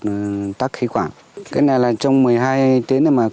cái này là trong một mươi hai tiếng này mà không phát hiện không sơ cứu thì con người nó sẽ chết